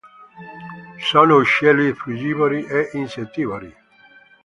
Sono uccelli frugivori e insettivori.